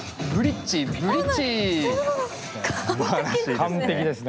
完璧ですね。